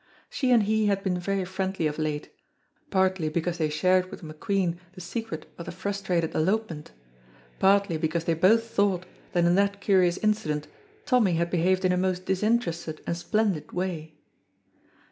She and he had been very friendly of late, partly because they shared with McQueen the secret of the frustrated elopement, partly because they both thought that in that curious incident Tommy had behaved in a most disinterested and splendid way.